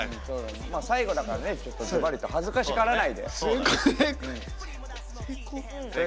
最後だから恥ずかしがらないで。